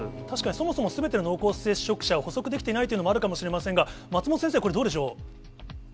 確かに、そもそもすべての濃厚接触者を捕捉できていないというのもありますが、松本先生、これ、どうでしょう。